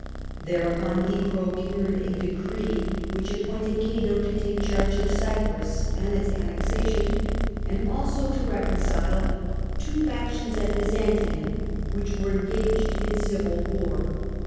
Thereupon he pro cured a decree which appointed Cato to take charge of Cyprus and its annexation, and also to reconcile two factions at Byzantium which were engaged in civil war.